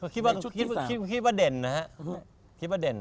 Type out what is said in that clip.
คิดว่าเด่นนะครับ